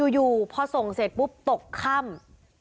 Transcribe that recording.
อยู่พอส่งเสร็จปุ๊บตกค่ำ